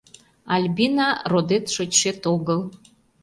Альбина — родет-шочшет огыл.